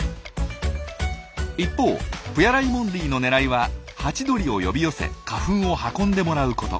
一方プヤ・ライモンディのねらいはハチドリを呼び寄せ花粉を運んでもらうこと。